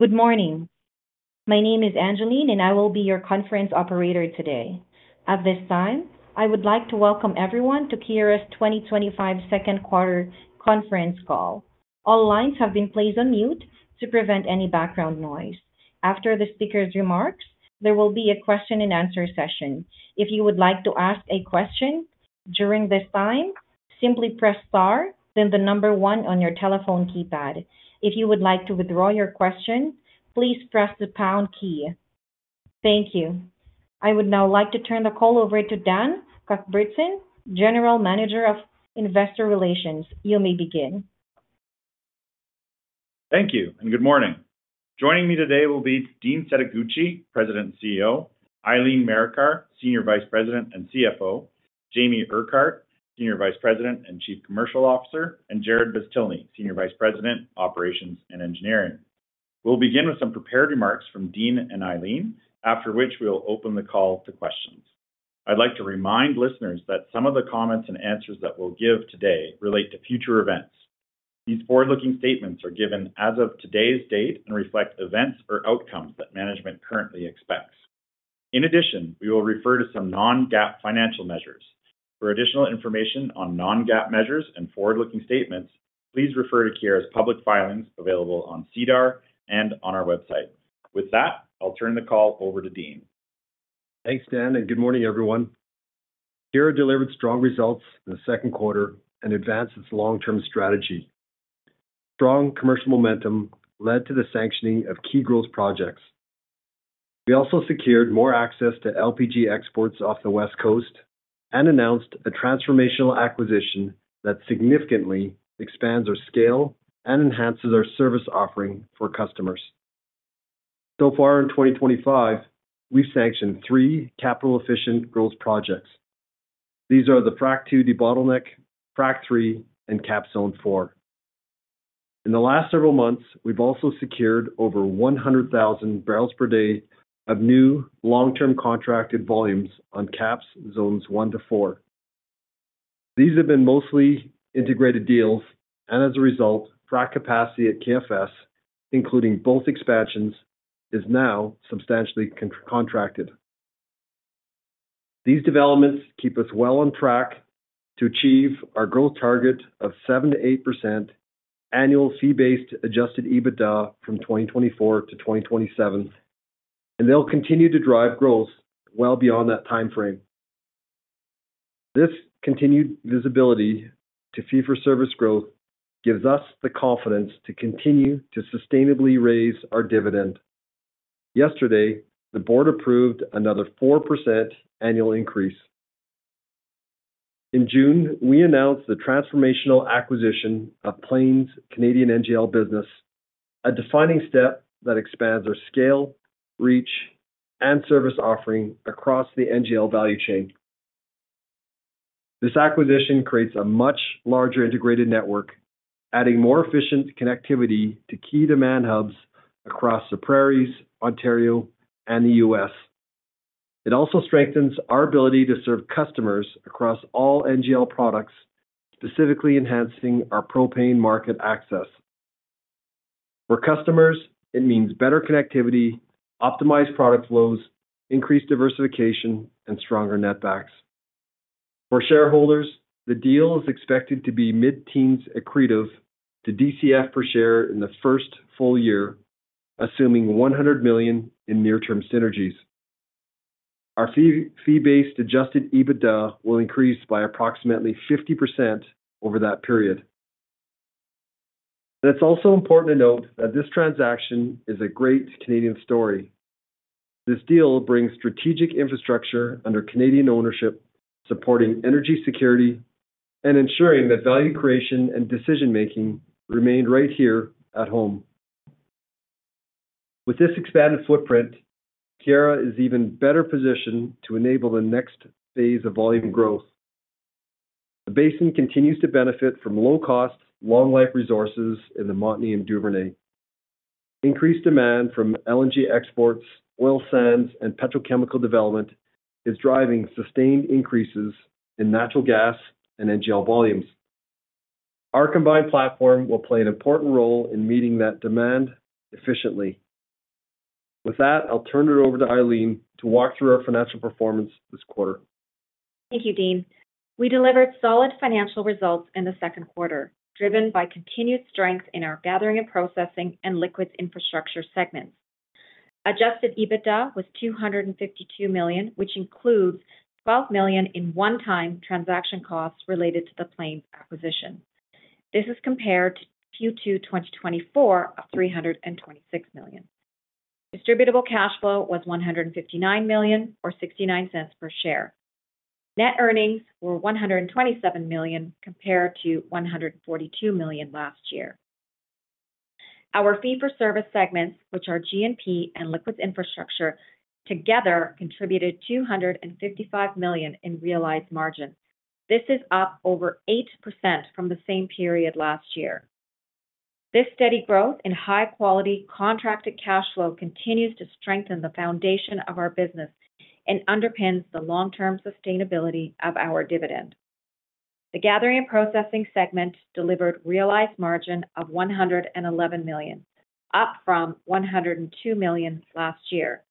Good morning. My name is Angeline and I will be your conference operator today. At this time I would like to welcome everyone to Keyera's 2025 Second Quarter Conference Call. All lines have been placed on mute to prevent any background noise. After the speaker's remarks, there will be a question-and-answer session. If you would like to ask a question during this time, simply press Star, then the number one on your telephone keypad. If you would like to withdraw your question, please press the Pound key. Thank you. I would now like to turn the call over to Dan Cuthbertson, General Manager of Investor Relations. You may begin. Thank you and good morning. Joining me today will be Dean Setoguchi, President and CEO, Eileen Marikar, Senior Vice President and CFO, Jamie Urquhart, Senior Vice President and Chief Commercial Officer, and Jarrod Beztilny, Senior Vice President, Operations and Engineering. We'll begin with some prepared remarks from Dean and Eileen, after which we will open the call to questions. I'd like to remind listeners that some of the comments and answers that we'll give today relate to future events. These forward-looking statements are given as of today's date and reflect events or outcomes that management currently expects. In addition, we will refer to some non-GAAP financial measures. For additional information on non-GAAP measures and forward-looking statements, please refer to Keyera's public filings available on SEDAR and on our website. With that, I'll turn the call over to Dean. Thanks Dan and good morning everyone. Keyera delivered strong results in the second quarter and advanced its long-term strategy. Strong commercial momentum led to the sanctioning of key growth projects. We also secured more access to LPG exports off the West Coast and announced a transformational acquisition that significantly expands our scale and enhances our service offering for customers. So far in 2024, we've sanctioned three capital efficient growth projects. These are the Frac II Debottleneck, Frac III, and KAPS Zone 4 In the last several months, we've also secured over 100,000 barrels per day of new long-term contracted volumes on KAPS Zone 1 to 4. These have been mostly integrated deals and as a result, Frac capacity at KFS, including both expansions, is now substantially contracted. These developments keep us well on track to achieve our growth target of 7%-8% annual fee-based adjusted EBITDA from 2024-2027. They will continue to drive growth well beyond that timeframe. This continued visibility to fee-for-service growth gives us the confidence to continue to sustainably raise our dividend. Yesterday, the board approved another 4% annual increase. In June, we announced the transformational acquisition of Plains' Canadian NGL business, a defining step that expands our scale, reach, and service offering across the NGL value chain. This acquisition creates a much larger integrated network, adding more efficient connectivity to key demand hubs across the Prairies, Ontario, and the U.S. It also strengthens our ability to serve customers across all NGL products, specifically enhancing our propane market access for customers. It means better connectivity, optimized product flows, increased diversification, and stronger netbacks for shareholders. The deal is expected to be mid-teens accretive to distributable cash flow per share in the first full year, assuming $100 million in near-term synergies. Our fee-based adjusted EBITDA will increase by approximately 50% over that period. It is also important to note that this transaction is a great Canadian story. This deal brings strategic infrastructure under Canadian ownership, supporting energy security and ensuring that value creation and decision making remain right here at home. With this expanded footprint, Keyera is even better positioned to enable the next phase of volume growth. The Basin continues to benefit from low-cost, long-life resources in the Montney and Duvernay. Increased demand from LNG exports, oil sands, and petrochemical development is driving sustained increases in natural gas and NGL volumes. Our combined platform will play an important role in meeting that demand efficiently. With that, I'll turn it over to Eileen to walk through our financial performance this quarter. Thank you, Dean. We delivered solid financial results in the second quarter, driven by continued strength in our gathering and processing and liquids infrastructure segments. Adjusted EBITDA was $252 million, which includes $12 million in one-time transaction costs related to the Plains' business acquisition. This is compared to Q2 2023 of $326 million. Distributable cash flow was $159 million, or $0.69 per share. Net earnings were $127 million compared to $142 million last year. Our fee-for-service segments, which are G&P and Liquids Infrastructure together, contributed $255 million in realized margin. This is up over 8% from the same period last year. This steady growth in high-quality contracted cash flow continues to strengthen the foundation of our business and underpins the long-term sustainability of our dividend. The Gathering and Processing segment delivered realized margin of $111 million, up from $102 million last year.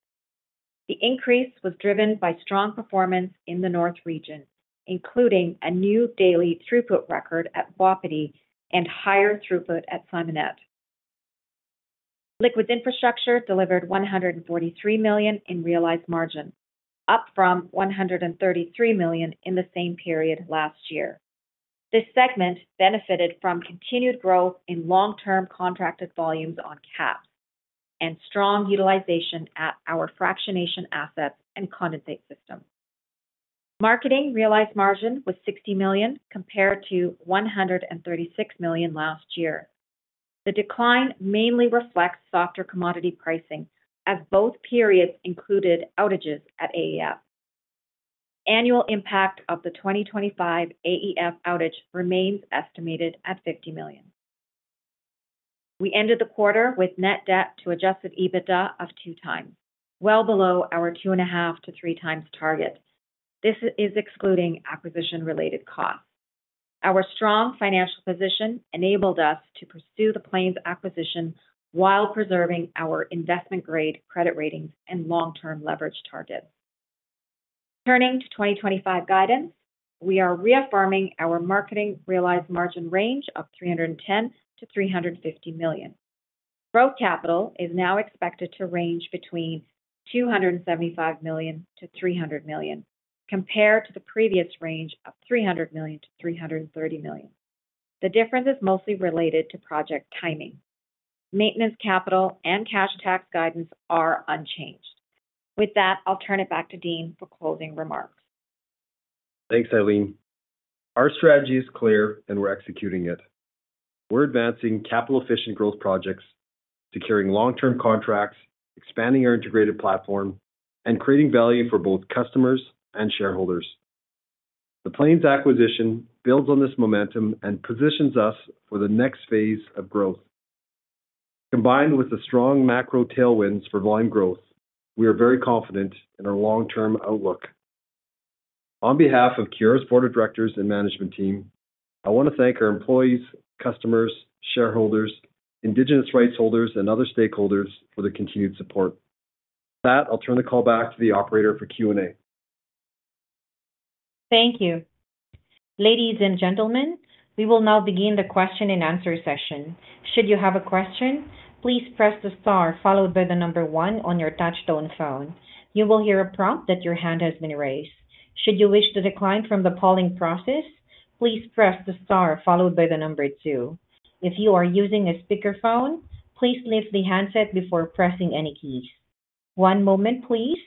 The increase was driven by strong performance in the North region, including a new daily throughput record at Wapiti and higher throughput at Simonette. Liquids Infrastructure delivered $143 million in realized margin, up from $133 million in the same period last year. This segment benefited from continued growth in long-term contracted volumes on KAPS and strong utilization at our fractionation assets and condensate system. Marketing realized margin was $60 million compared to $136 million last year. The decline mainly reflects softer commodity pricing, as both periods included outages at AEF. Annual impact of the 2025 AEF outage remains estimated at $50 million. We ended the quarter with net debt to adjusted EBITDA of 2x well below our 2.5x-3x target. This is excluding acquisition-related costs. Our strong financial position enabled us to pursue the Plains' acquisition while preserving our investment grade credit ratings and long-term leverage targets. Turning to 2025 guidance, we are reaffirming our marketing realized margin range of $310 million-$350 million. Growth capital is now expected to range between $275 million-$300 million compared to the previous range of $300 million-$330 million. The difference is mostly related to project timing. Maintenance capital and cash tax guidance are unchanged. With that, I'll turn it back to Dean for closing remarks. Thanks Eileen. Our strategy is clear and we're executing it. We're advancing capital efficient growth projects, securing long-term contracts, expanding our integrated platform, and creating value for both customers and shareholders. The Plains' acquisition builds on this momentum and positions us for the next phase of growth. Combined with the strong macro tailwinds for volume growth, we are very confident in our long-term outlook. On behalf of Keyera's board of directors and management team, I want to thank our employees, customers, shareholders, Indigenous rights holders, and other stakeholders for the continued support. I'll turn the call back to the operator for Q&A. Thank you, ladies and gentlemen. We will now begin the question-and-answer session. Should you have a question, please press the Star followed by the number one. On your touch-tone phone, you will hear a prompt that your hand has been raised. Should you wish to decline from the polling process, please press the star followed by the number two. If you are using a speakerphone, please lift the handset before pressing any keys. One moment, please,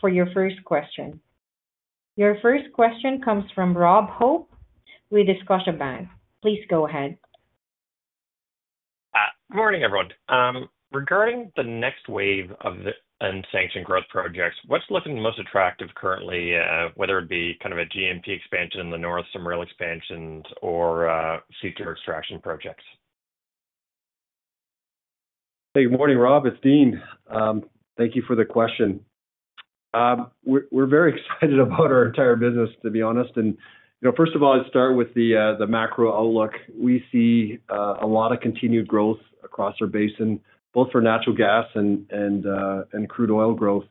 for your first question. Your first question comes from Rob Hope with Scotiabank. Please go ahead. Morning everyone. Regarding the next wave of unsanctioned growth projects, what's looking most attractive currently? Whether it be kind of a GMP expansion in the north, some rail expansions or future abstraction projects. Hey, good morning Rob, it's Dean. Thank you for the question. We're very excited about our entire business to be honest. First of all, I'd start with the macro outlook. We see a lot of continued growth across our basin, both for natural gas and crude oil growth,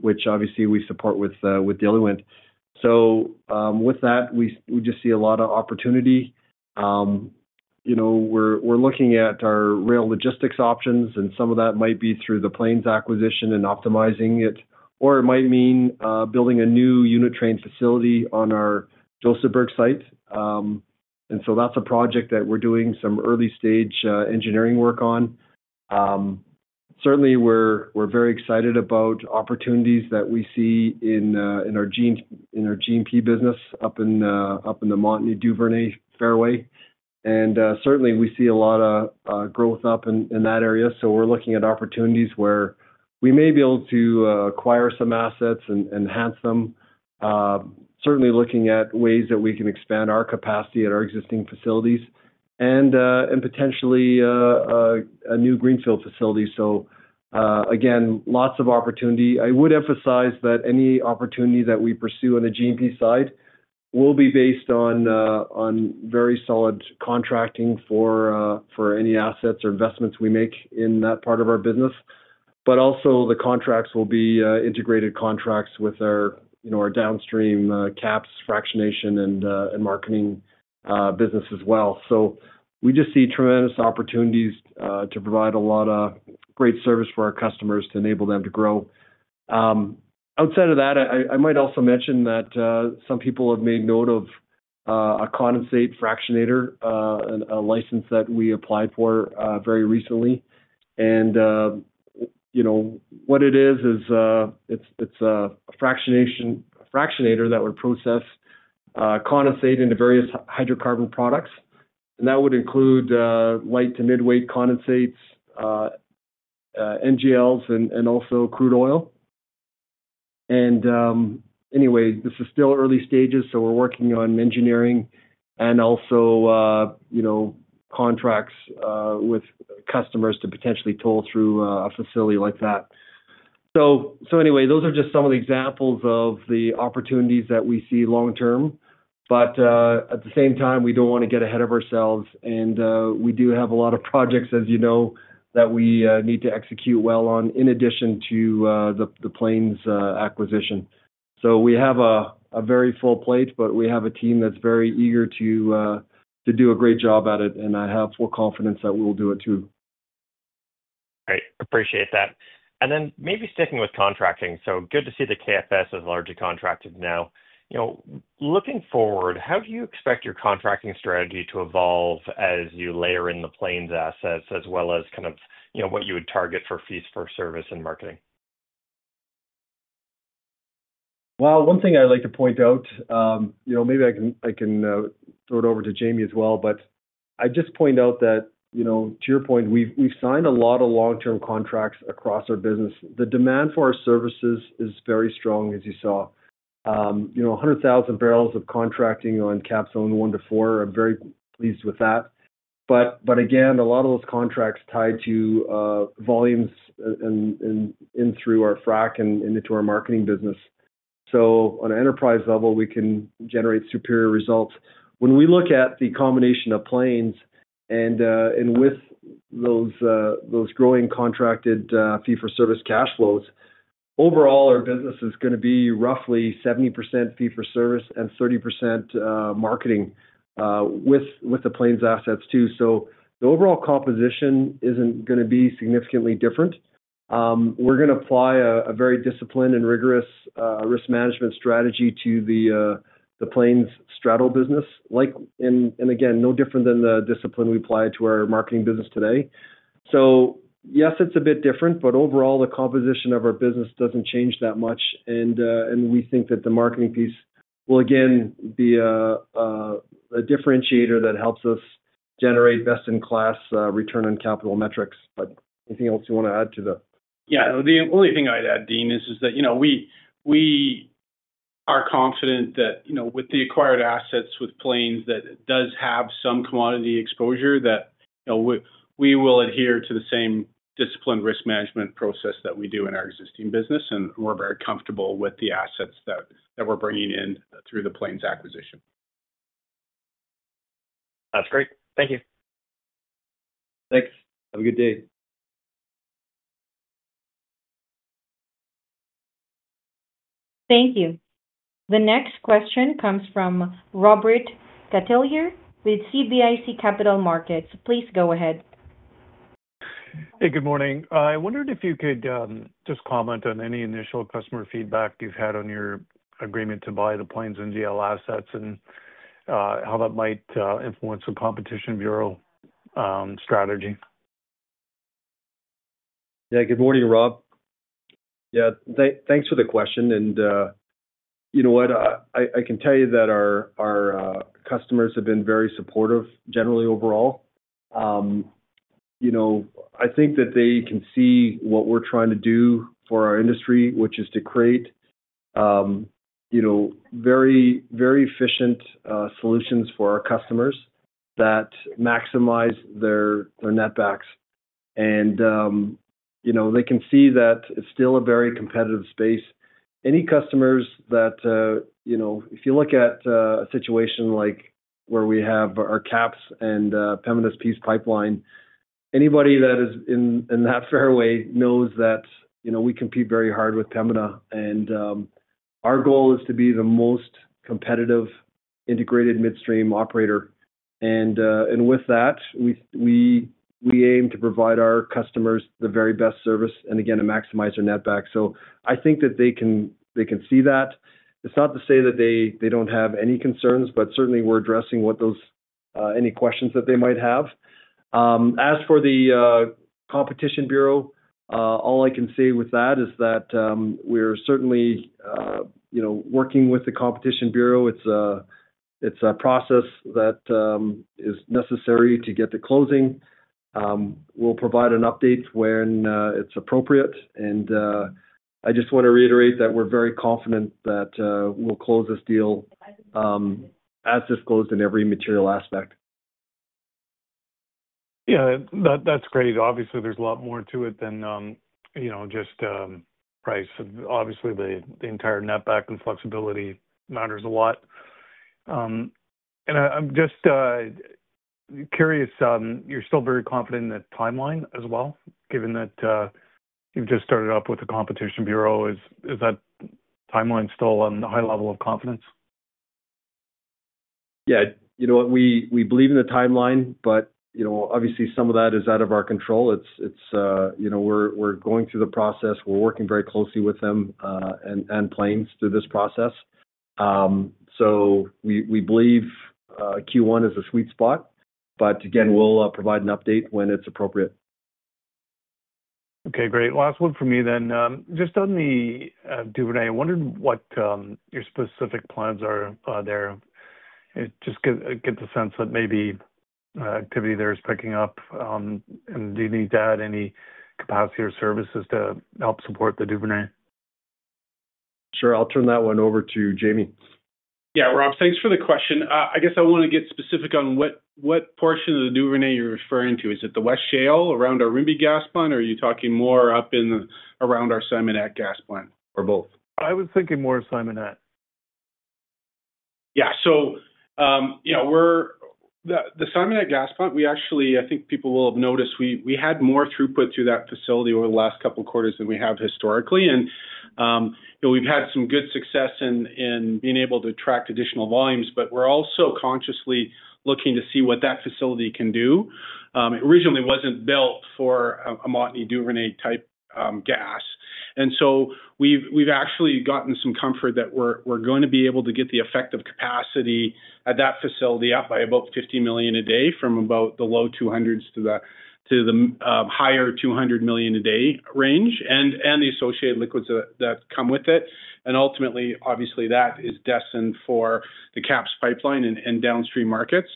which obviously we support with dealing with. With that, we just see a lot of opportunity. We're looking at our rail logistics options and some of that might be through the Plains acquisition and optimizing it, or it might mean building a new unit train facility on our Josephburg site. That's a project that we're doing some early stage engineering work on. We're very excited about opportunities that we see in our G&P business up in the Montney Duvernay fairway. We see a lot of growth up in that area. We're looking at opportunities where we may be able to acquire some assets and enhance them, certainly looking at ways that we can expand our capacity at our existing facilities and potentially a new greenfield facility. Again, lots of opportunity. I would emphasize that any opportunity that we pursue on the G&P side will be based on very solid contracting for any assets or investments we make in that part of our business. The contracts will be integrated contracts with our downstream KAPS fractionation and marketing business as well. We just see tremendous opportunities to provide a lot of great service for our customers to enable them to grow. Outside of that, I might also mention that some people have made note of a condensate fractionator license that we applied for very recently. What it is, is it's a fractionation fractionator that would process condensate into various hydrocarbon products and that would include light to midweight condensates, NGLs, and also crude oil. This is still early stages, so we're working on engineering and also contracts with customers to potentially toll through a facility like that. Those are just some of the examples of the opportunities that we see long term. At the same time, we don't want to get ahead of ourselves and we do have a lot of projects, as you know, that we need to execute well on in addition to the Plains' acquisition. We have a very full plate. We have a team that's very eager to do a great job at it and I have full confidence that we'll do it too. Great Appreciate that. And then maybe sticking with contracting. So good to see the KFS have largely contracted now. Looking forward, how do you expect your contracting strategy to evolve as you layer in the Plains' assets as well as kind of what you would target for fees for service and marketing? One thing I'd like to point out, you know, maybe I can throw it over to Jamie as well. I just point out that, you know, to your point, we've signed a lot of long-term contracts across our business. The demand for our services is very strong. As you saw, 100,000 bbls of contracting on KAPS Zone 1 to 4, we're very pleased with that. Again, a lot of those contracts are tied to volumes and in through our frac and into our marketing business. On an enterprise level, we can generate superior results when we look at the combination of Plains and with those growing contracted fee-for-service cash flows. Overall, our business is going to be roughly 70% fee-for-service and 30% marketing with the Plains assets too. The overall composition isn't going to be significantly different. We're going to apply a very disciplined and rigorous risk management strategy to the Plains straddle business, no different than the discipline we apply to our marketing business today. Yes, it's a bit different, but overall the composition of our business doesn't change that much. We think that the marketing piece will again be a differentiator that helps us generate best-in-class return on capital metrics. Anything else you want to add to the. The only thing I'd add, Dean, is that we are confident that, with the acquired assets with Plains that does have some commodity exposure, we will adhere to the same disciplined risk management process that we do in our existing business, and we're very comfortable with the assets that we're bringing in through the Plains acquisition. That's great. Thank you. Thanks. Have a good day. Thank you. The next question comes from Robert Catellier with CIBC Capital Markets. Please go ahead. Hey, good morning. I wondered if you could just comment on any initial customer feedback you've had on your agreement to buy the Plains NGL assets and how that might influence the Competition Bureau strategy. Good morning, Rob. Thanks for the question. I can tell you that our customers have been very supportive generally overall. I think that they can see what we're trying to do for our industry, which is to create very, very efficient solutions for our customers that maximize their netbacks, and they can see that it's still a very competitive space. Any customers that, if you look at a situation like where we have our KAPS and Pembina's Peace Pipeline, anybody that is in that fairway knows that we compete very hard with Pembina, and our goal is to be the most competitive integrated midstream operator. With that, we aim to provide our customers the very best service and again, to maximize their netback. I think that they can see that. It's not to say that they don't have any concerns, but certainly we're addressing any questions that they might have. As for the Competition Bureau, all I can say with that is that we're certainly working with the Competition Bureau. It's a process that is necessary to get the closing. We'll provide an update when it's appropriate. I just want to reiterate that we're very confident that we'll close this deal as disclosed in every material aspect. Yeah, that's great. Obviously, there's a lot more to it than, you know, just price. Obviously, the entire netback and flexibility matters a lot. I'm just curious, you're still very confident in the timeline as well, given that you've just started off with the Competition Bureau. Is that timeline still on the high level of confidence? Yeah, you know what, we believe in the timeline, but obviously some of that is out of our control. It's, you know, we're going through the process, we're working very closely with them and Plains through this process. We believe Q1 is a sweet spot. Again, we'll provide an update when it's appropriate. Okay, great. Last one for me then. Just on the Duvernay, I wondered what your specific plans are there. I just get the sense that maybe activity there is picking up. Do you need to add any capacity or services to help support the Duvernay? Sure, I'll turn that one over to Jamie. Yeah, Rob, thanks for the question. I want to get specific on what portion of the Duvernay you're referring to. Is it the west shale around our Rimbey Gas Plant, or are you talking more up in, around our Simonette Gas plant or both? I was thinking more Simonette. Yeah, so, you know, we're at the Simonette Gas Plant. I think people will have noticed we had more throughput through that facility over the last couple quarters than we have historically. We've had some good success in being able to attract additional volumes. We're also consciously looking to see what that facility can do. It originally wasn't built for a Montney or Duvernay type gas, and we've actually gotten some comfort that we're going to be able to get the effective capacity at that facility up by about 50 million a day, from about the low $200 million to the higher $200 million a day range, and the associated liquids that come with it. Ultimately, obviously, that is destined for the KAPS pipeline and downstream markets.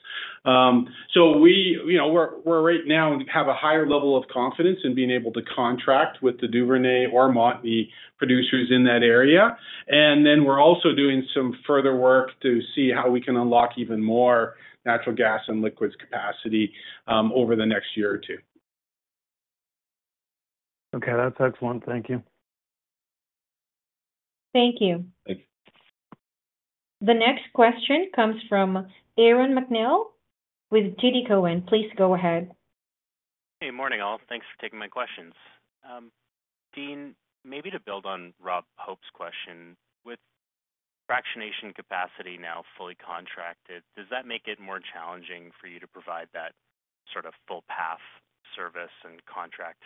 We right now have a higher level of confidence in being able to contract with the Duvernay or Montney producers in that area. We're also doing some further work to see how we can unlock even more natural gas and liquids capacity over the next year or two. Okay, that's excellent. Thank you. Thank you. The next question comes from Aaron MacNeil with TD Cowen. Please go ahead. Good morning all. Thanks for taking my questions. Dean, maybe to build on Robert Hope's question, with fractionation capacity now fully contracted, does that make it more challenging for you to provide that sort of full path service and contract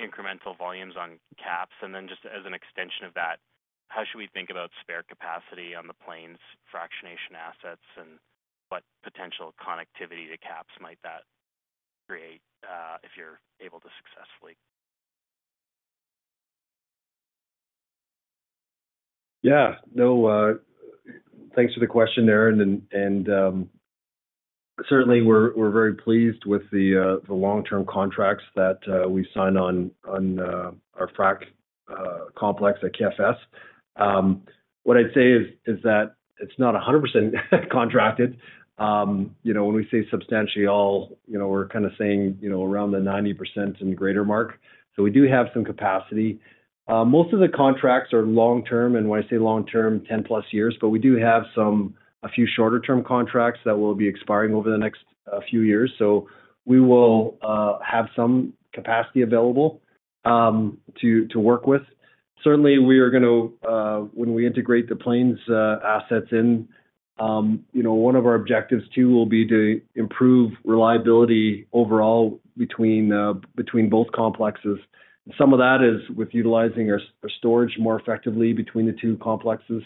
incremental volumes on KAPS? Just as an extension of that, how should we think about spare capacity on the Plains' fractionation assets and what potential connectivity to KAPS might that create if you're able to successfully. Yeah, no, thanks for the question, Aaron. Certainly we're very pleased with the long-term contracts that we signed on our frac complex at KFS. What I'd say is that it's not 100% contracted. When we say substantially all, we're kind of saying around the 90% and greater mark. We do have some capacity. Most of the contracts are long-term, and when I say long-term, 10+ years, but we do have a few shorter-term contracts that will be expiring over the next few years. We will have some capacity available to work with. Certainly we are going to, when we integrate the Plains assets in, one of our objectives too will be to improve reliability overall between both complexes. Some of that is with utilizing our storage more effectively between the two complexes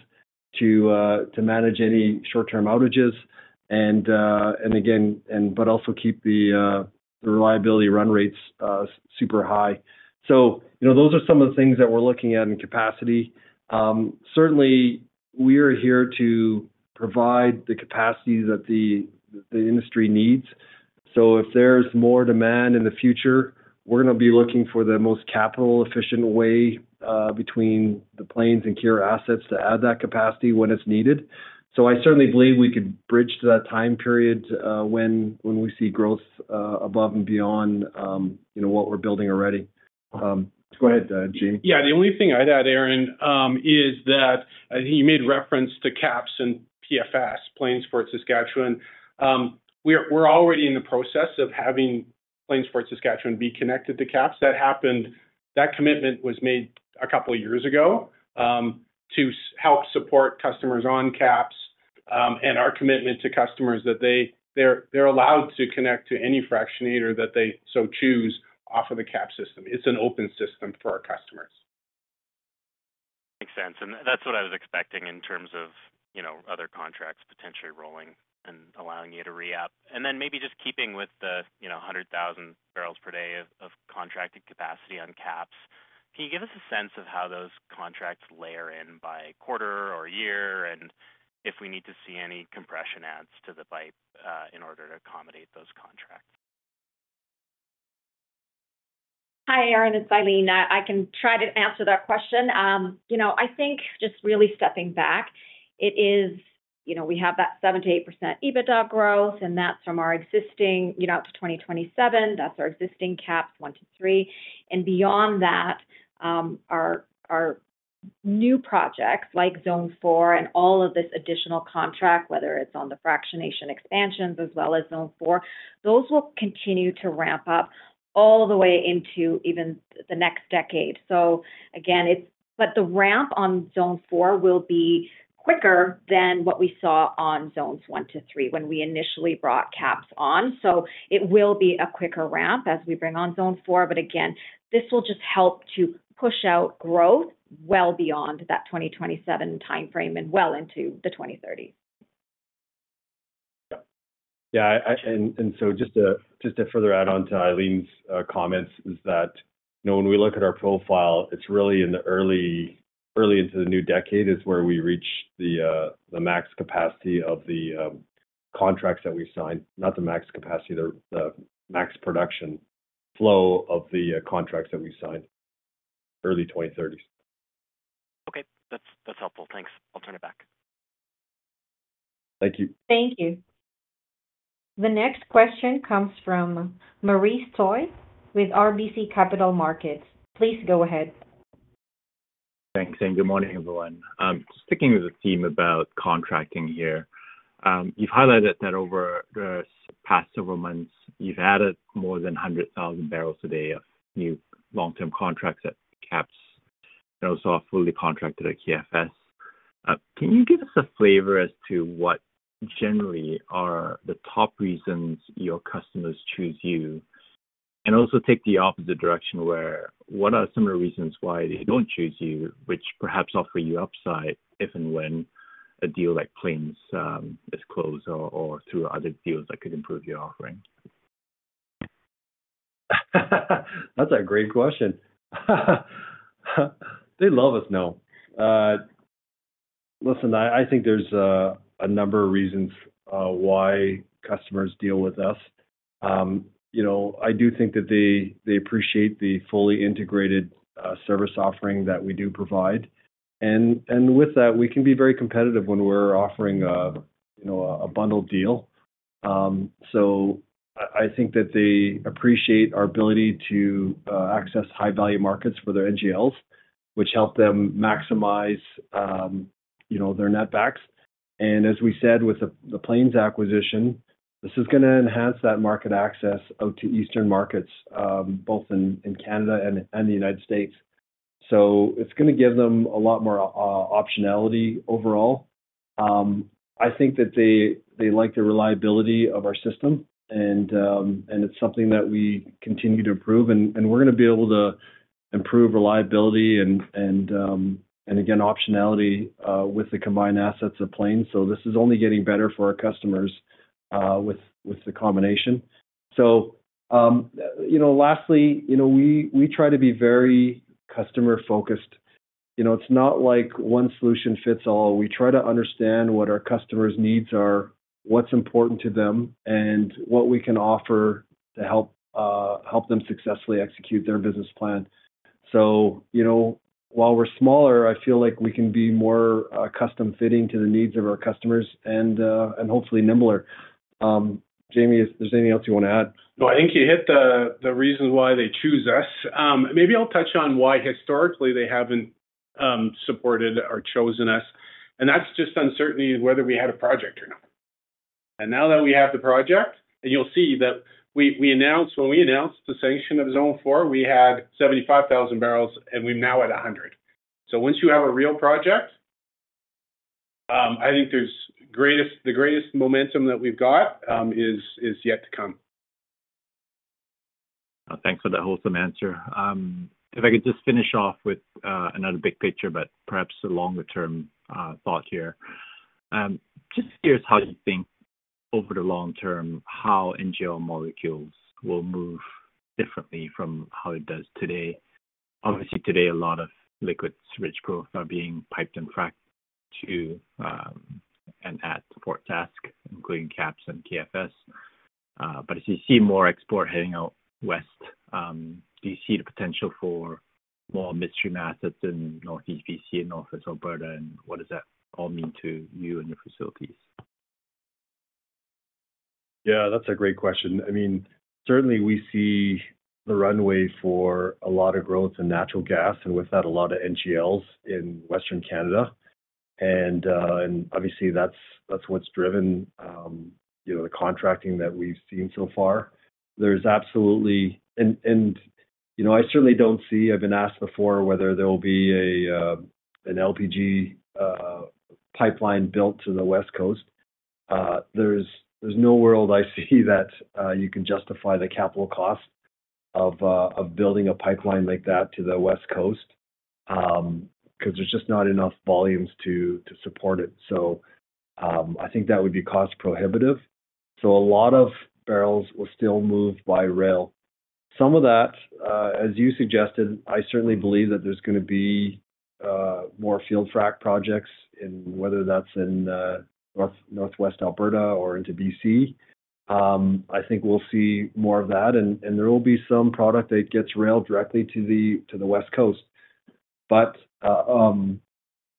to manage any short-term outages and again also keep the reliability run rates super high. Those are some of the things that we're looking at in capacity. Certainly we are here to provide the capacity that the industry needs. If there's more demand in the future, we're going to be looking for the most capital efficient way between the Plains and Keyera assets to add that capacity when it's needed. I certainly believe we could bridge to that time period when we see growth above and beyond what we're building already. Go ahead, Jay. Yeah, the only thing I'd add, Aaron, is that he made reference to KAPS and Plains for Saskatchewan. We're already in the process of having Plains for Saskatchewan be connected to KAPS. That happened, that commitment was made a couple of years ago to help support customers on KAPS. Our commitment to customers is that they're allowed to connect to any fractionator that they so choose off of the KAPS. System, it's an open system for our customers, makes sense. That's what I was expecting in terms of other contracts potentially rolling and allowing you to re-up and then maybe just keeping with the 100,000 bbls per day of contracted capacity on KAPS. Can you give us a sense of how those contracts layer in by quarter or year if we need to see any compression adds to the pipe in order to accommodate those contracts? Hi Erin, it's Eileen. I can try to answer that question. You know, I think just really stepping back, it is, you know, we have that 7%-8% EBITDA growth and that's from our existing, you know, 2027. That's our existing KAPS Zones 1 to 3 and beyond that our new projects like Zone 4 and all of this additional contract, whether it's on the fractionation expansions as well as Zone 4, those will continue to ramp up all the way into even the next decade. Again, the ramp on Zone 4 will be quicker than what we saw on Zones 1 to 3 when we initially brought KAPS on. It will be a quicker ramp as we bring on Zone 4. This will just help to push out growth well beyond that 2027 time frame and well into the 2030. Yeah. To further add on to Eileen's comments, when we look at our profile, it's really early into the new decade where we reach the max capacity of the contracts that we sign, not the max capacity, the max production flow of the contracts that we've signed, early 2030s. Okay, that's helpful, thanks. I'll turn it back. Thank you. Thank you. The next question comes from Maurice Choy with RBC Capital Markets. Please go ahead. Thanks and good morning everyone. I'm sticking with the theme about contracting here. You've highlighted that over the past several months you've added more than 100,000 bbls a day of new long-term contracts at AEF and also a fully contracted at KFS. Can you give us a flavor as to what generally are the top reasons your customers choose you, and also take the opposite direction where, what are some of the reasons why they don't choose you, which perhaps offer you upside if and when a deal like Plains' is closed or through other deals that could improve your offering? That's a great question. They love us now. Listen, I think there's a number of reasons why customers deal with us. I do think that they appreciate the fully integrated service offering that we do provide, and with that we can be very competitive when we're offering a bundled deal. I think that they appreciate our ability to access high value markets for their NGLs, which help them maximize their netbacks. As we said with the Plains acquisition, this is going to enhance that market access out to eastern markets both in Canada and the United States. It's going to give them a lot more optionality. Overall, I think that they like the reliability of our system, and it's something that we continue to improve. We're going to be able to improve reliability and again optionality with the combined assets of Plains. This is only getting better for our customers with the combination. Lastly, we try to be very customer focused. It's not like one solution fits all. We try to understand what our customers' needs are, what's important to them, and what we can offer to help them successfully execute their business plan. While we're smaller, I feel like we can be more custom fitting to the needs of our customers and hopefully nimbler. Jamie, there's anything else you want to add? No, I think you hit the reason why they choose us. Maybe I'll touch on why. Historically, they haven't supported or chosen us, and that's just uncertainty whether we had a project or not. Now that we have the project, and you'll see that when we announced the sanction of Zone 4, we had 75,000 bbls and we're now at 100,000 bbls. Once you have a real project, I think the greatest momentum that we've got is yet to come. Thanks for the wholesome answer. If I could just finish off with another big picture but perhaps a longer term thought here. Just curious how you think over the long term how NGL molecules will move differently from how it does today. Obviously today a lot of liquids-rich growth are being piped and fracked to an at-port task including KAPS and KFS. As you see more export heading out west, do you see the potential for more mystery masses in northeast B.C. and northwest Alberta? What does that all mean to you and your facilities? Yeah, that's a great question. I mean, certainly we see the runway for a lot of growth in natural gas and with that a lot of NGLs in Western Canada. Obviously, that's what's driven the contracting that we've seen so far. There's absolutely, and I certainly don't see, I've been asked before whether there will be an LPG pipeline built to the West Coast. There's no world I see that you can justify the capital cost of building a pipeline like that to the West Coast because there's just not enough volumes to support it. I think that would be cost prohibitive. A lot of barrels will still move by rail. Some of that, as you suggested. I certainly believe that there's going to be more field frac projects, and whether that's in northwest Alberta or into B.C., I think we'll see more of that. There will be some product that gets railed directly to the West Coast.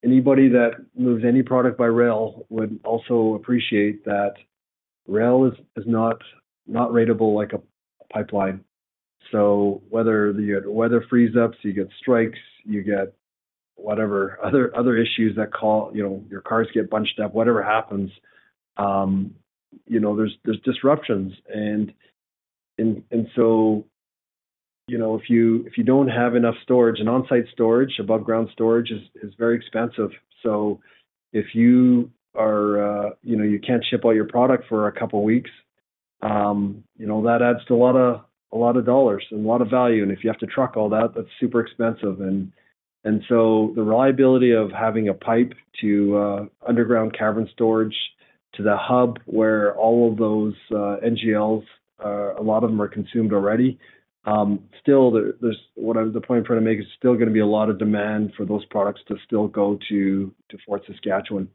Anybody that moves any product by rail would also appreciate that rail is not ratable like a pipeline. Whether the weather freeze ups, you get strikes, you get whatever other issues that call, you know, your cars get bunched up. Whatever happens, there's disruptions, and if you don't have enough storage and on-site storage, above ground storage is very expensive. If you are, you know, you can't ship all your product for a couple weeks, that adds to a lot of dollars, a lot of value. If you have to truck all that, that's super expensive. The reliability of having a pipe to underground cavern storage to the hub where all of those NGLs, a lot of them are consumed already, still, the point I'm trying to make is still going to be a lot of demand for those products to still go to Fort Saskatchewan.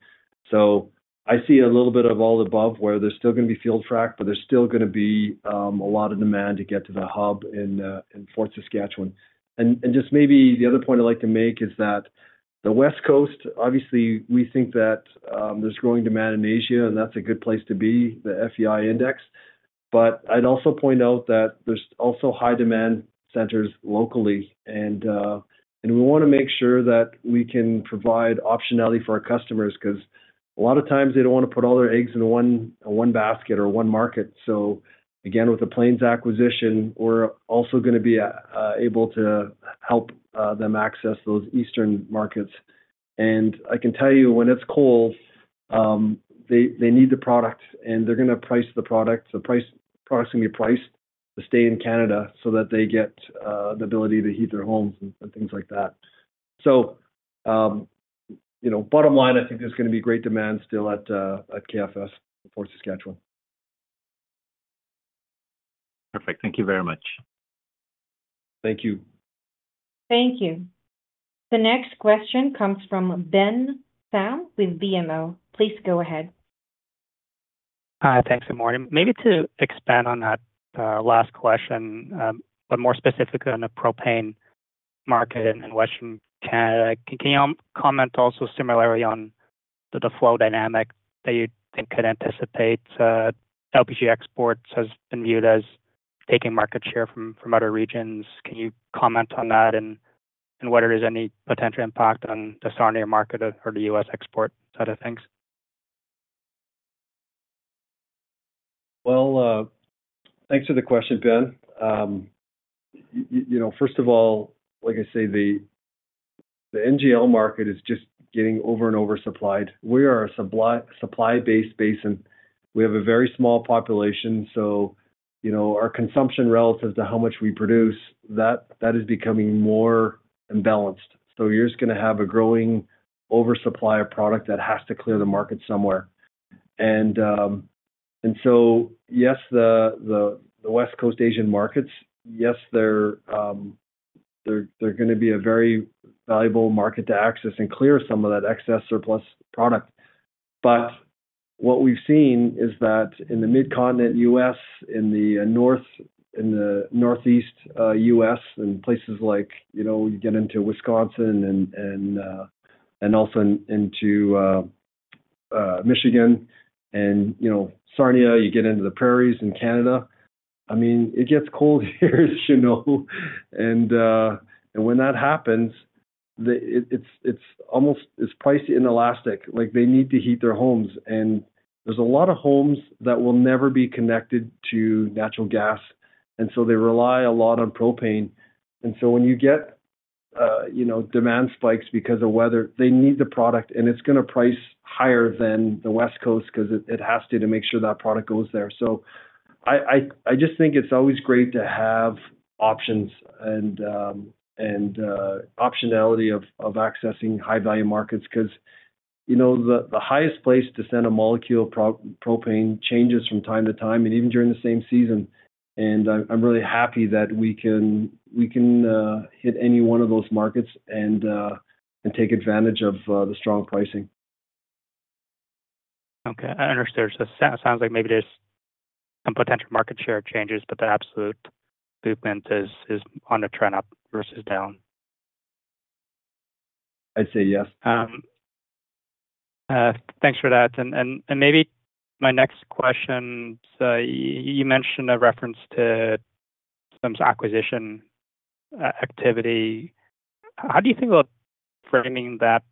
I see a little bit of all above where there's still going to be field frac, but there's still going to be a lot of demand to get to the hub in Fort Saskatchewan. Maybe the other point I'd like to make is that the West Coast, obviously we think that there's growing demand in Asia and that's a good place to be, the FEI index. I'd also point out that there's also high demand centers locally and we want to make sure that we can provide optionality for our customers because a lot of times they don't want to put all their eggs in one basket or one market. Again, with the Plains acquisition, we're also going to be able to help them access those eastern markets. I can tell you when it's cold they need the product and they're going to price the product. The price products can be priced to stay in Canada so that they get the ability to heat their homes and things like that. Bottom line, I think there's going to be great demand still at KFS reports to schedule. Perfect. Thank you very much. Thank you. Thank you. The next question comes from Ben Pham with BMO. Please go ahead. Hi. Thanks. Maybe to expand on that last question, but more specifically on the propane market in Western Canada. Can you comment also similarly on the flow dynamic that you think could anticipate LPG exports has been viewed as taking market share from other regions? Can you comment on that and whether there is any potential impact on the Sarnia market or the U.S. export side of things? Thanks for the question, Ben. First of all, like I say, the NGL market is just getting over and over supplied. We are a supply-based basin. We have a very small population, so our consumption relative to how much we produce is becoming more imbalanced. You're just going to have a growing oversupply of product that has to clear the market somewhere. Yes, the West Coast, Asian markets, they're going to be a very valuable market to access and clear some of that excess surplus product. What we've seen is that in the mid-continent U.S., in the north, in the northeast U.S., and places like Wisconsin and also into Michigan and Sarnia, you get into the prairies in Canada. It gets cold here, and when that happens, it's almost, it's price inelastic, like they need to heat their homes and there's a lot of homes that will never be connected to natural gas. They rely a lot on propane. When you get demand spikes because of weather, they need the product and it's going to price higher than the West Coast because it has to make sure that product goes there. I just think it's always great to have options and optionality of accessing high value markets because the highest place to send a molecule, propane changes from time to time and even during the same season. I'm really happy that we can hit any one of those markets and take advantage of the strong pricing. Okay, I understood. It sounds like maybe there's some potential market share changes, but the absolute movement is on a trend up versus down. I see. Yes. Thanks for that. Maybe my next question, you mentioned a reference to some acquisition activity. How do you think about framing that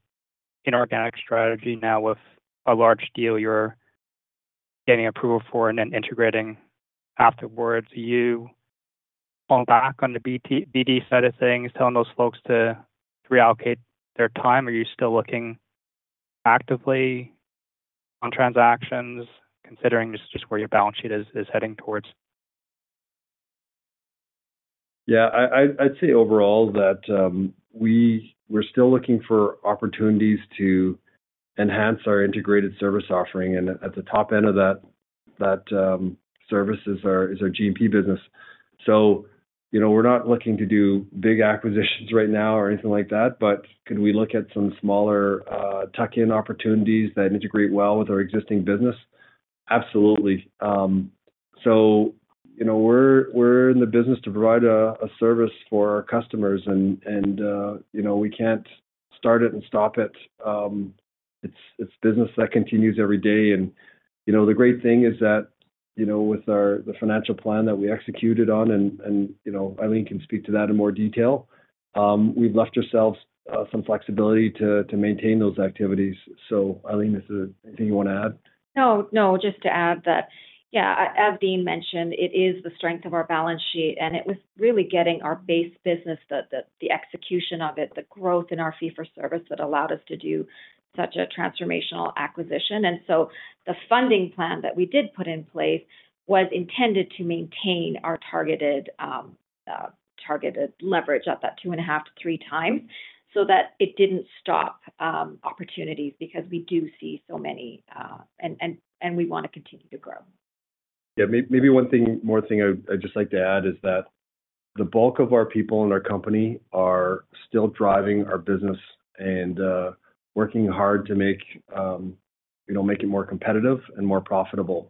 inorganic strategy now with a large deal you're getting approval for and then integrating afterwards? Are you falling back on the BD side of things, telling those folks to reallocate their time? Are you still looking actively on transactions, considering just where your balance sheet is heading towards? Yeah, I'd say overall that we're still looking for opportunities to enhance our integrated service offering. At the top end of that service is our G&P business. We're not looking to do big acquisitions right now or anything like that, but could we look at some smaller tuck-in opportunities that integrate well with our existing business? Absolutely. We're in the business to provide a service for our customers, and we can't start it and stop it. It's business that continues every day. The great thing is that, with the financial plan that we executed on, and Eileen can speak to that in more detail, we've left ourselves some flexibility to maintain those activities. Eileen, is there anything you want to add? No, no. Just to add that, as Dean mentioned, it is the strength of our balance sheet and it was really getting our base business, the execution of it, the growth in our fee for service that allowed us to do such a transformational acquisition. The funding plan that we did put in place was intended to maintain our targeted leverage up at two and a half to three times so that it didn't stop opportunities because we do see so many, and we want to continue to grow. Yeah, maybe one more thing I just like to add is that the bulk of our people in our company are still driving our business and working hard to make it more competitive and more profitable.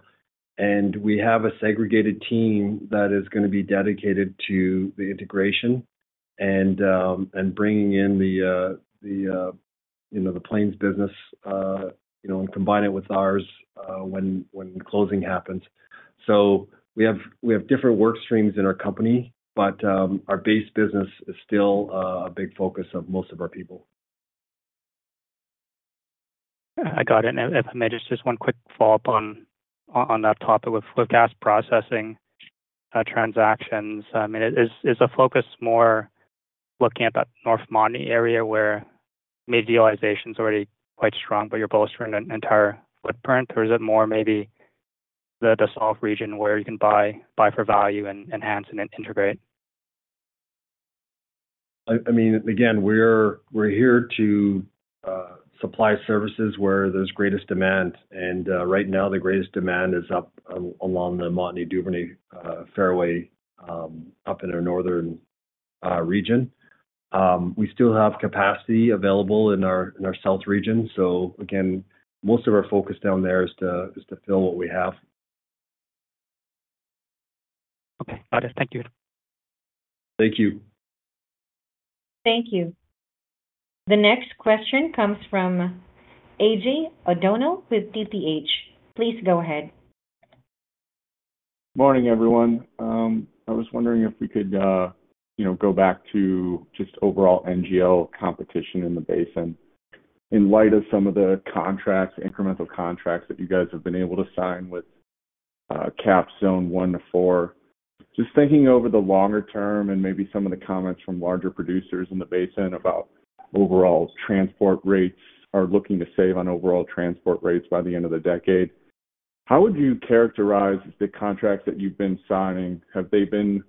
We have a segregated team that is going to be dedicated to the integration and bringing in the Plains' business and combine it with ours when closing happens. We have different work streams in our company, but our base business is still a big focus of most of our people. I got it. If I may, just one quick follow-up on that topic. With gas processing transactions, is the focus more looking at that North Montney area where mid utilization is already quite strong, but you're bolstering an entire footprint, or is it more maybe the salt region where you can buy for value and enhance and integrate? I mean, again, we're here to supply services where there's greatest demand. Right now the greatest demand is up along the Montney Duvernay fairway up in our northern region. We still have capacity available in our south region. Again, most of our focus down there is to fill what we have. Okay, got it. thank you. Thank you. Thank you. The next question comes from AJ O'Donnell with TPH. Please go ahead. Morning, everyone.I was wondering if we could go back to just overall NGL competition in the basin in light of some of the contracts, incremental contracts that you guys have been able to sign with KAPS Zones 1 to 4. Just thinking over the longer term and maybe some of the comments from larger producers in the basin about overall transport rates, are looking to save on overall transport rates by the end of the decade. How would you characterize the contracts that you've been signing? Have they been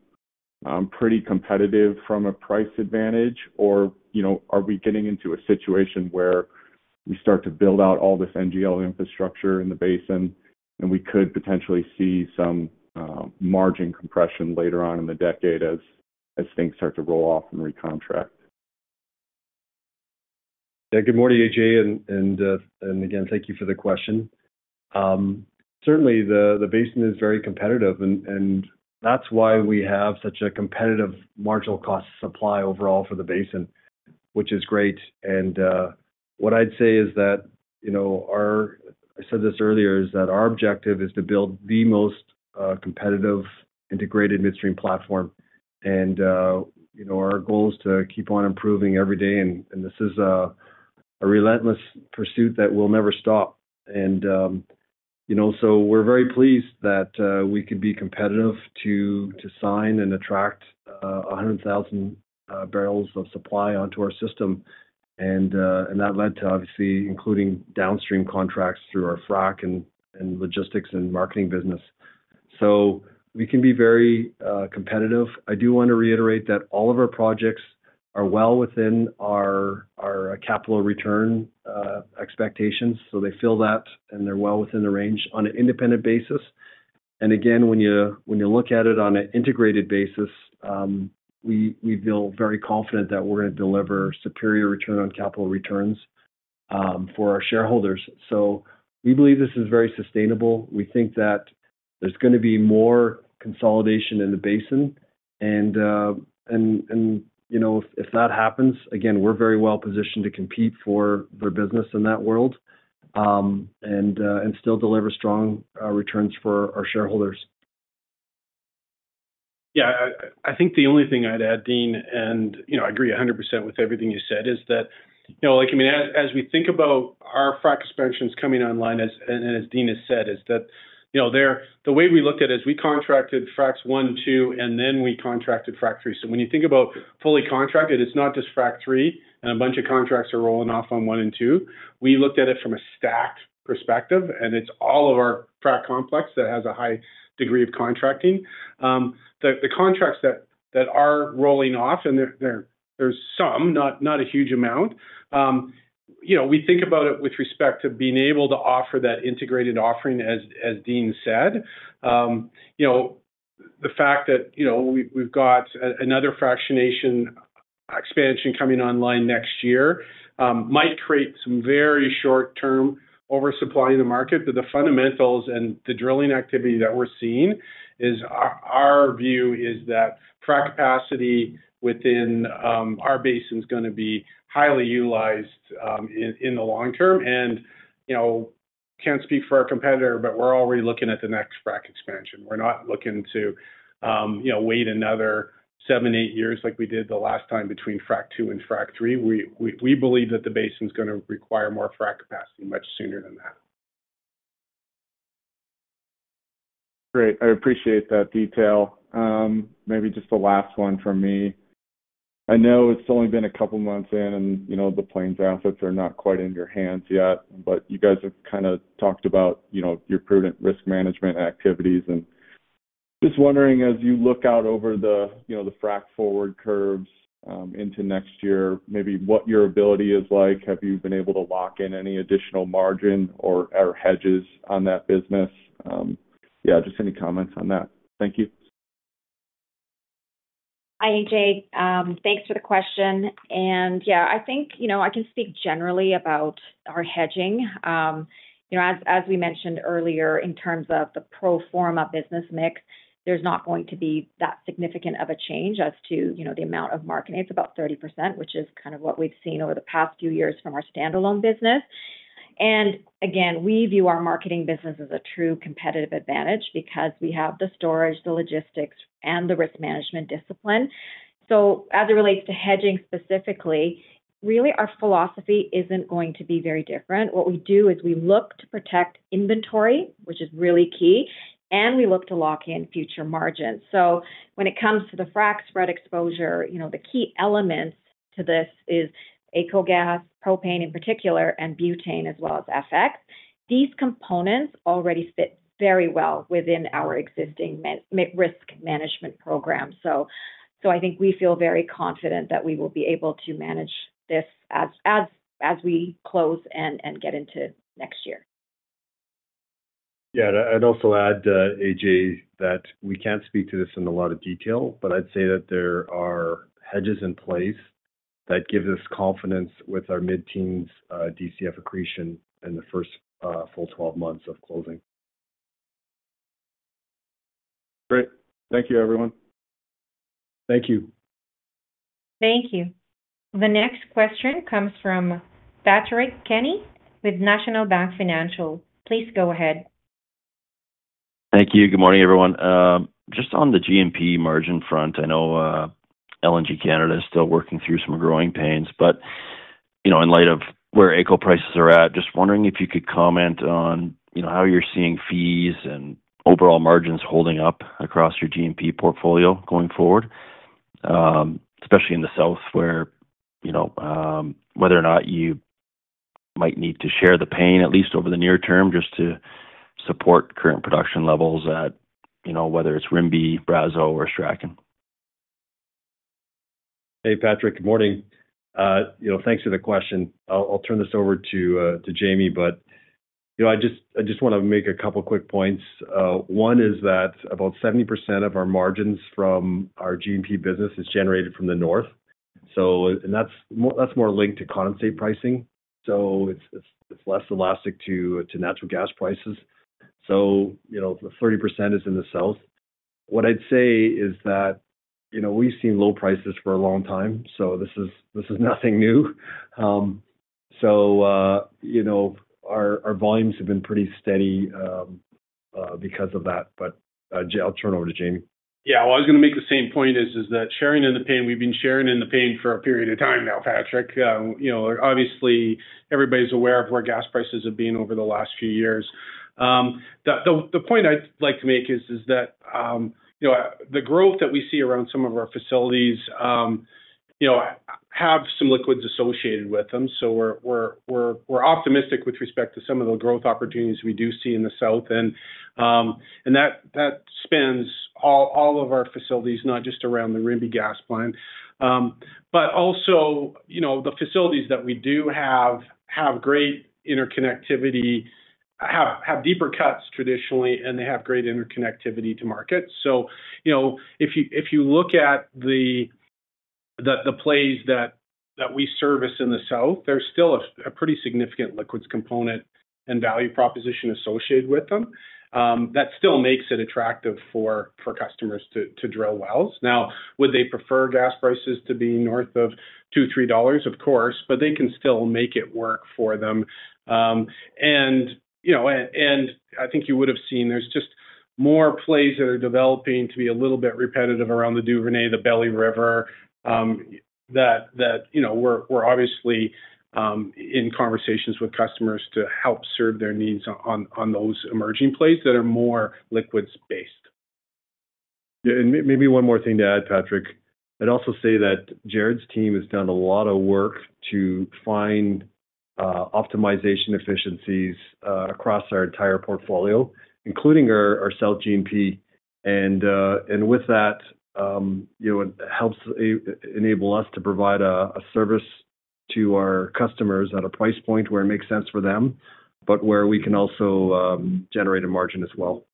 pretty competitive from a price advantage, or are we getting into a situation where we start to build out all this NGL infrastructure in the basin and we could potentially see some margin compression later on in the decade as things start to roll off and recont. Good morning, AJ, and again, thank you for the question. Certainly, the basin is very competitive and that's why we have such a competitive marginal cost supply overall for the basin, which is great. What I'd say is that, you know, I said this earlier, our objective is to build the most competitive integrated midstream platform. You know, our goal is to keep on improving every day and this is a relentless pursuit that will never stop. We're very pleased that we could be competitive to sign and attract 100,000 bbls of supply onto our system. That led to obviously including downstream contracts through our fractionation and logistics and marketing business. We can be very competitive. I do want to reiterate that all of our projects are well within our capital return expectations. They fill that and they're well within the range on an independent basis. Again, when you look at it on an integrated basis, we feel very confident that we're going to deliver superior return on capital returns for our shareholders. We believe this is very sustainable. We think that there's going to be more consolidation in the basin and if that happens, we're very well positioned to compete for their business in that world and still deliver strong returns for our shareholders. Yeah, I think the only thing I'd add, Dean, I agree 100% with everything you said is that, you know. As we think about our frac expansions coming online, as Dean has said, the way we looked at it is we contracted Frac I, II, and then we contracted Frac III. When you think about fully contracted, it's not just Frac III and a bunch of contracts are rolling off on Frac I and Frac II. We looked at it from a stacked perspective and it's all of our frac complex that has a high degree of contracting. The contracts that are rolling off, there's some, not a huge amount. We think about it with respect to being able to offer that integrated offering. As Dean said, the fact that we've got another fractionation expansion coming online next year might create some very short-term oversupply in the market. The fundamentals and the drilling activity that we're seeing is our view is that frac capacity within our basin is going to be highly utilized in the long term. We can't speak for our competitor, but we're already looking at the next frac expansion. We're not looking to wait another seven, eight years like we did the last time between Frac II and Frac III. We believe that the basin is going to require more frac capacity much sooner than that. Great. I appreciate that detail. Maybe just the last one for me. I know it's only been a couple months in and you know, the Plains' assets are not quite in your hands yet, but you guys have kind of talked about your prudent risk management activities, and just wondering. As you look out over the, you know, the frac forward curves into next year, maybe what your ability is like, have you been able to lock in any additional margin or hedges on that business? Yeah, just any comments on that? Thank you. Hi AJ, thanks for the question. I think, you know, I can speak generally about our hedging. As we mentioned earlier, in terms of the pro forma business mix, there's not going to be that significant of a change as to the amount of marketing. It's about 30%, which is kind of what we've seen over the past few years from our standalone business. We view our marketing business as a true competitive advantage because we have the storage, the logistics, and the risk management discipline. As it relates to hedging specifically, really our philosophy isn't going to be very different. What we do is we look to protect inventory, which is really key, and we look to lock in future margin. When it comes to the frac spread exposure, the key elements to this are a CO gas, propane in particular, and butane, as well as FX. These components already fit very well within our existing risk management program. I think we feel very confident that we will be able to manage this as we close and get into next year. Yeah, I'd also add, AJ, that we can't speak to this in a lot of detail, but I'd say that there are hedges in place that gives us confidence with our mid teens DCF accretion in the first full 12 months of closing. Great. Thank you, everyone. Thank you. Thank you. The next question comes from Patrick Kenny with National Bank Financial. Please go ahead. Thank you. Good morning, everyone. Just on the G&P margin front, I know LNG Canada is still working through some growing pains, but in light of where NGL prices are at, just wondering if you could comment on how you're seeing fees and overall margins holding up across your G&P portfolio going forward, especially in the south whether or not you might need to share the pain, at least over the near term, just to support current production levels. Whether it's Rimbey, Brazeau or Strachan. Hey Patrick, good morning. Thanks for the question. I'll turn this over to Jamie, but I just want to make a couple of quick points. One is that about 70% of our margins from our G&P business is generated from the north, and that's more linked to condensate pricing, so it's less elastic to natural gas prices. 30% is in the south. We've seen low prices for a long time, so this is nothing new. Our volumes have been pretty steady because of that. I'll turn it over to Jamie. Yeah, I was going to make the same point, is that sharing in the pain, we've been sharing in the pain for a period of time now, Patrick. Obviously everybody's aware of where gas prices have been over the last few years. The point I'd like to make is that the growth that we see around some of our facilities has some liquids associated with them. We're optimistic with respect to some of the growth opportunities we do see in the south and that spans all of our facilities, not just around the Rimbey Gas Plant, but also the facilities that we do have have great interconnectivity, have deeper cuts traditionally, and they have great interconnectivity to market. If you look at the plays that we service in the south, there's still a pretty significant liquids component and value proposition associated with them that still makes it attractive for customers to drill wells. Now, would they prefer gas prices to be north of $2, $3? Of course, but they can still make it work for them. I think you would have seen there's just more plays that are developing to be a little bit repetitive around the Duvernay, the Belly River, that we're obviously in conversations with customers to help serve their needs on those emerging plays that are more liquids. Based on maybe one more thing to add, Patrick. I'd also say that Jarrod's team has done a lot of work to find optimization efficiencies across our entire portfolio, including our cell G&P, and with that, it helps enable us to provide a service to our customers at a price point where it makes sense for them but where we can also generate a margin as well.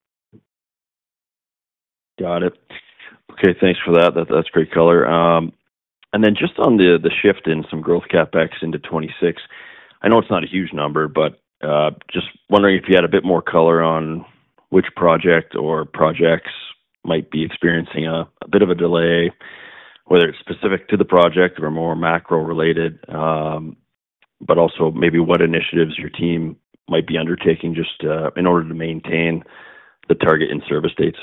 Got it. Okay, thanks for that. That's great color. Just on the shift in some growth CapEx into 2026, I know it's not a huge number, but just wondering if you had a bit more color on which project or projects might be experiencing a bit of a delay, whether it's specific to the project or more macro related. Also, maybe what initiatives your team might be undertaking just in order to maintain the target in-service dates.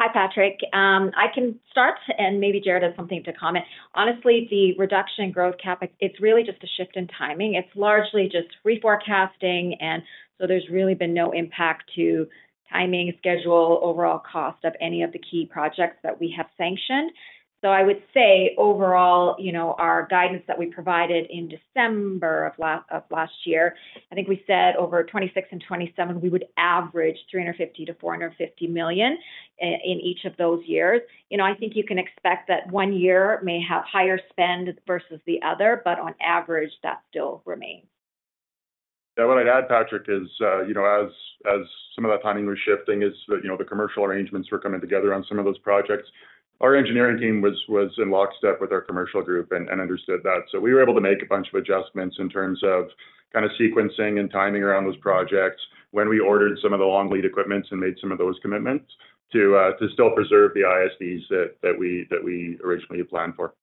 Hi Patrick, I can start and maybe Jarrod had something to comment. Honestly, the reduction growth cap, it's really just a shift in timing. It's largely just reforecasting, and there's really been no impact to timing, schedule, or overall cost of any of the key projects that we have sanctioned. I would say overall, you know our guidance that we provided in December of last year, I think we said over 2026 and 2027 we would average $350 millio-$450 million in each of those years. You know, I think you can expect that one year may have higher spend versus the other, but on average that still remains. What I'd add, Patrick, is as some of that planning was shifting, as the commercial arrangements were coming together on some of those projects, our engineering team was in lockstep with our commercial group and understood that. We were able to make a bunch of adjustments in terms of sequencing and timing around those projects when we ordered some of the long lead equipment and made some of those commitments to still preserve the ISDs that we originally planned for.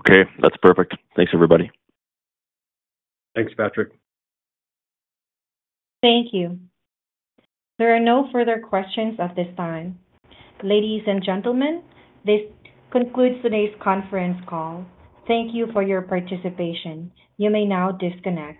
Okay, that's perfect. Thanks, everybody. Thanks, Patrick. Thank you. There are no further questions at this time. Ladies and gentlemen, this concludes today's conference call. Thank you for your participation. You may now disconnect.